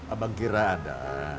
abang kira ada